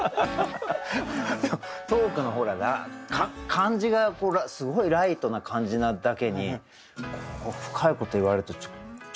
トークのほら感じがすごいライトな感じなだけに深いことを言われるとちょっと響きますよね